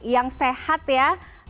yang sehat ya